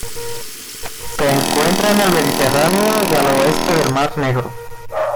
Se encuentra en el Mediterráneo y al oeste del Mar Negro.